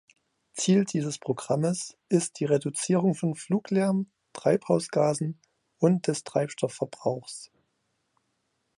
Ziel dieses Programmes ist die Reduzierung von Fluglärm, Treibhausgasen und des Treibstoffverbrauchs.